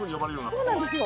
そうなんですよ